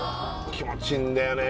気持ちいいんだよね